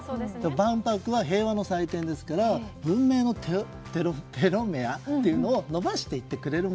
万博は平和の祭典ですから文明のテロメアをのばしていってくれる